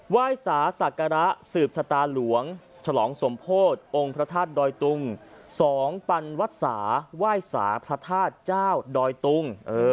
ว่ายศาสักราสืบชะตาหลวงฉลองสมโพธิ์องค์พระธาตุโดยตุงส่องปันวัสสาว่ายศาพระธาตุเจ้าโดยตุง